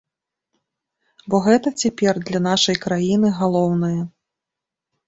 Бо гэта цяпер для нашай краіны галоўнае.